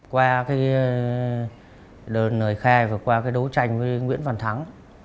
qua lời khai và qua đấu tranh với nguyễn văn thắng